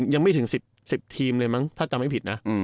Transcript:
ยังไม่ถึง๑๐ทีมเลยมั้งถ้าจำไม่ผิดนะ